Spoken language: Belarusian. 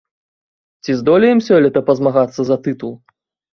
Ці здолеем сёлета пазмагацца за тытул?